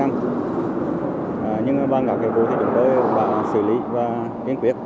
nhưng bằng cả cái vụ thì chúng tôi đã xử lý và kiến quyết